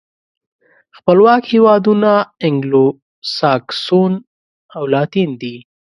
خپلواک هېوادونه انګلو ساکسوسن او لاتین دي.